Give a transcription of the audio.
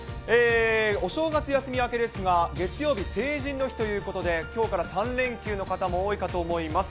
お正月休み明けですが、月曜日、成人の日ということで、きょうから３連休の方も多いかと思います。